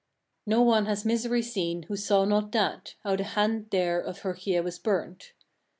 No one has misery seen who saw not that, how the hand there of Herkia was burnt.